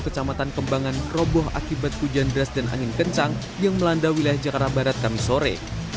kecamatan kembangan roboh akibat hujan deras dan angin kencang yang melanda wilayah jakarta barat kami sore